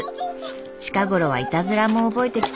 近頃はいたずらも覚えてきて。